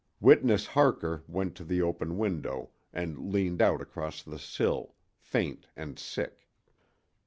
Witness Harker went to the open window and leaned out across the sill, faint and sick.